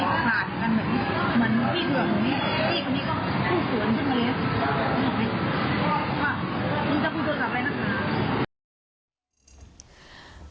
เพราะว่ามันจะคุยโทรศัพท์ไปนะคะ